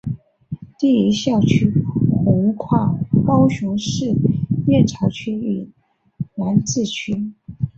第一校区横跨高雄市燕巢区与楠梓区。